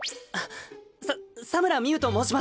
さっ佐村未祐と申します！